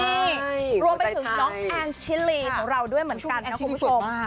นี่รวมไปถึงน้องแอนชิลีของเราด้วยเหมือนกันนะคุณผู้ชม